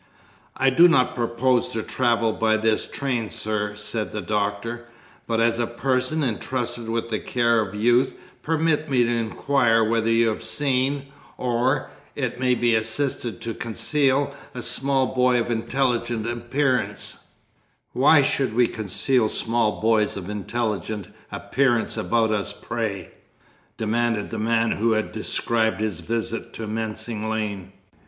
"I do not propose to travel by this train, sir," said the Doctor; "but, as a person entrusted with the care of youth, permit me to inquire whether you have seen (or, it may be assisted to conceal) a small boy of intelligent appearance " "Why should we conceal small boys of intelligent appearance about us, pray?" demanded the man who had described his visit to Mincing Lane.